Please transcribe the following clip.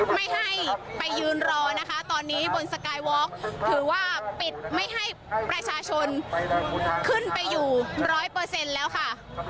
ไม่ให้ไปยืนรอนะคะตอนนี้บนสกายวอล์กถือว่าปิดไม่ให้ประชาชนขึ้นไปอยู่ร้อยเปอร์เซ็นต์แล้วค่ะ